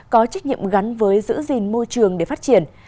có trách nhiệm gắn với giữ gìn môi trường để phát triển